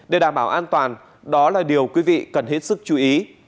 để đảm bảo an toàn đó là điều quý vị cần hết sức chú ý